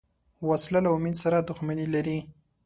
وسله له امید سره دښمني لري